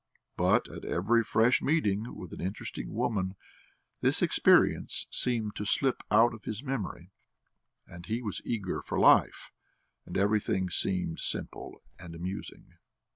But at every fresh meeting with an interesting woman this experience seemed to slip out of his memory, and he was eager for life, and everything seemed simple and amusing.